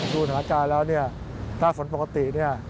ดูสถานการณ์แล้วถ้าฝนปกติ